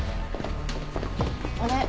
あれ？